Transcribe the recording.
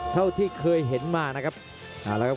เท่าที่เคยเห็นมานะครับ